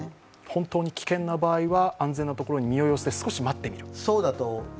本当に危険な場合は安全なところに身を寄せて少し待ってみる。